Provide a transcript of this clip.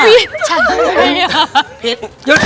พิษฉันถึงฮื๊บ